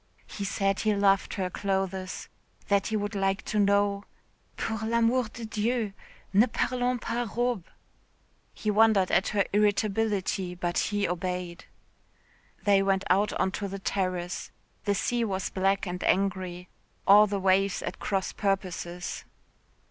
He said he loved her clothes that he would like to know.... "Pour l'amour de Dieu, ne parlons pas robes." He wondered at her irritability, but he obeyed. They went out on to the terrace. The sea was black and angry, all the waves at cross purposes.